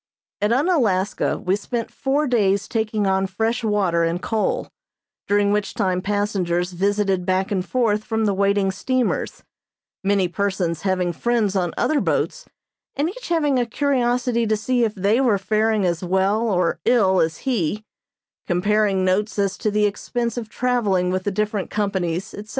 At Unalaska we spent four days taking on fresh water and coal, during which time passengers visited back and forth from the waiting steamers, many persons having friends on other boats and each having a curiosity to see if they were faring as well or ill as he, comparing notes as to the expense of traveling with the different companies, etc.